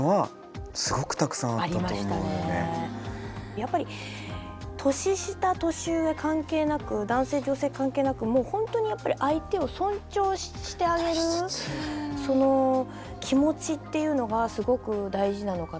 やっぱり年下年上関係なく男性女性関係なく本当にやっぱり相手を尊重してあげるその気持ちっていうのがすごく大事なのかなと思います。